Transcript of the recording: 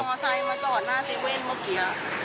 เอาเมอร์ไทซ์มาจอดหน้าเซเว่นเมื่อกี๊